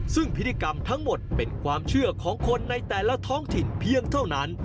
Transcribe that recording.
ซึ่งพิธีกรรมทั้งหมดเป็นความเชื่อของคนในแต่ละท้องถิ่นเพียงเท่านั้น